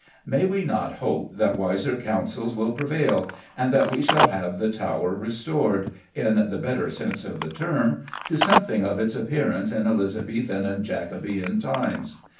May we not hope that wiser counsels will prevail and that we shall have the Tower restored in the better sense of the term to something of its appearance in Elizabethan and Jacobean times?